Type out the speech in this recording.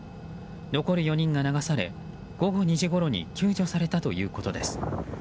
残る４人が流され午後２時ごろに救助されたということです。